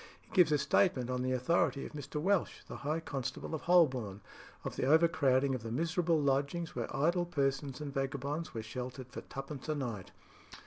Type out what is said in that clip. He gives a statement on the authority of Mr. Welch, the High Constable of Holborn, of the overcrowding of the miserable lodgings where idle persons and vagabonds were sheltered for twopence a night.